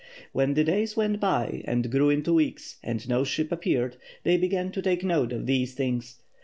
When the days went by and grew into weeks, and no ship appeared, they began to take note of these things.